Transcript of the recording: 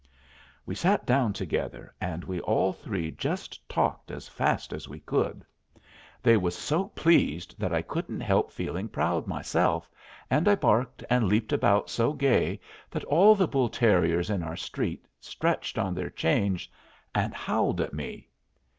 We sat down together, and we all three just talked as fast as we could. They was so pleased that I couldn't help feeling proud myself, and I barked and leaped about so gay that all the bull terriers in our street stretched on their chains and howled at me.